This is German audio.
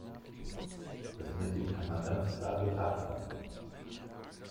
Das möchte ich einmal ganz klar gesagt haben!